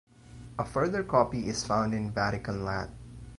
A further copy is found in Vatican lat.